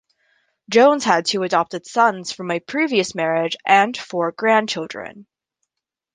Jones had two adopted sons from a previous marriage, and four grandchildren.